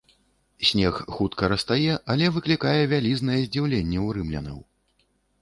Снег хутка растае, але выклікае вялізнае здзіўленне ў рымлянаў.